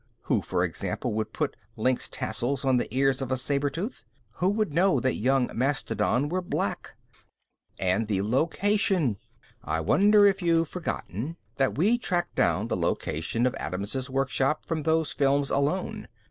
Who, as an example, would put lynx tassels on the ears of a saber tooth? Who would know that young mastodon were black? "And the location. I wonder if you've forgotten that we tracked down the location of Adams' workshop from those films alone.